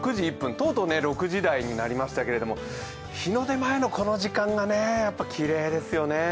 とうとう６時台になりましたけど日の出前のこの時間がきれいですよね。